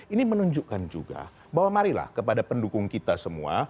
ini menunjukkan juga bahwa marilah kepada pendukung kita semua